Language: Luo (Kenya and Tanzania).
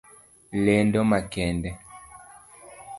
Lendo makende.